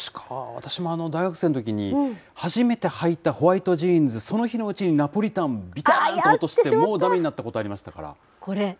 私も大学生のときに、初めてはいたホワイトジーンズ、その日のうちにナポリタン、びたーっと落として、もうだめになったことがありましたから。